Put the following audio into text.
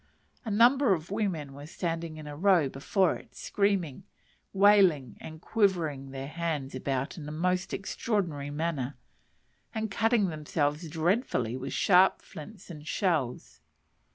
A number of women were standing in a row before it, screaming, wailing and quivering their hands about in a most extraordinary manner, and cutting themselves dreadfully with sharp flints and shells.